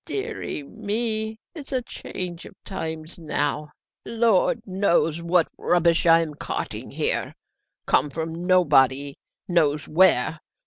"Deary me! it's a change of times now! Lord knows what rubbish I am carting here, come from nobody guesses where!